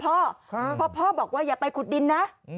เพราะพ่อบอกว่าอย่าไปขุดดินนะ